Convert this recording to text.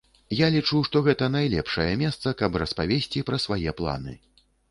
Я лічу, што гэта найлепшае месца, каб распавесці пра свае планы.